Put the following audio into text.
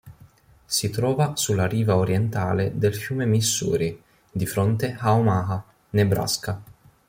Si trova sulla riva orientale del fiume Missouri, di fronte a Omaha, Nebraska.